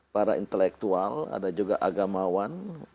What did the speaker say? para intelektual ada juga agamawan